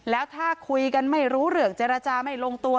แล้วถ้าคุยกันไม่รู้เรื่องเจรจาไม่ลงตัว